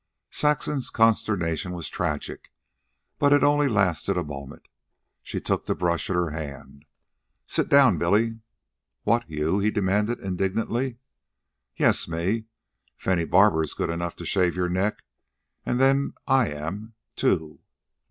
Saxon's consternation was tragic, but it only lasted a moment. She took the brush in her hand. "Sit down, Billy." "What? you?" he demanded indignantly. "Yes; me. If any barber is good enough to shave your neck, and then I am, too."